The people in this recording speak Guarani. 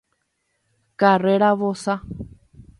Karréra vosa